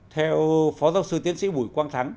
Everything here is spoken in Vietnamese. theo phó giáo sư tiến sĩ bùi quang thắng